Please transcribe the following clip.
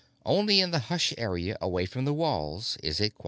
Only in the hush area away from the walls is it quiet.